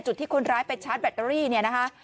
จุดที่คนร้ายไปชาร์จแบตเตอรี่เนี่ยนะคะ